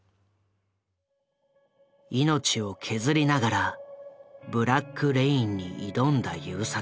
命を削りながら「ブラック・レイン」に挑んだ優作。